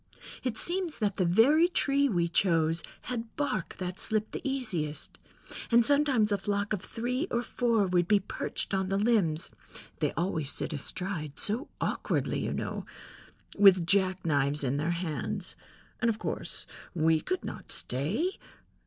It seems that the very tree we chose had bark that slipped the easiest, and sometimes a flock of three or four would be perched on the limbs (they always sit astride, so awkwardly, you know), with jack knives in their hands, and of course we could not stay.